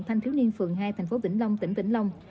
thanh thiếu niên phường hai thành phố vĩnh long tỉnh vĩnh long